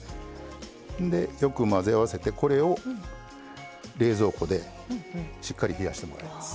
でよく混ぜ合わせてこれを冷蔵庫でしっかり冷やしてもらいます。